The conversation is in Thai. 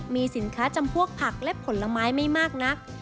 มีสินค้าจำพวกผักและผลไม้ไม่มากนัก